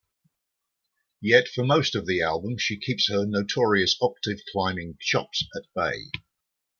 Yet for most of the album she keeps her notorious octave-climbing chops at bay.